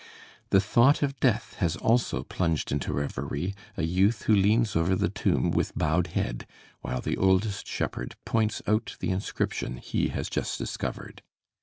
The thought of death has also plunged into reverie a youth who leans over the tomb with bowed head, while the oldest shepherd points out the inscription he has just discovered.